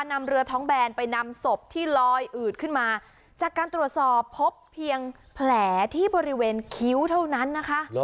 นำเรือท้องแบนไปนำศพที่ลอยอืดขึ้นมาจากการตรวจสอบพบเพียงแผลที่บริเวณคิ้วเท่านั้นนะคะ